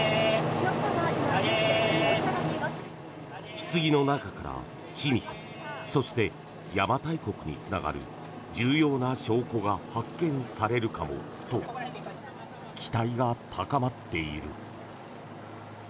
ひつぎの中から、卑弥呼そして邪馬台国につながる重要な証拠が発見されるかもと期待が高まっている。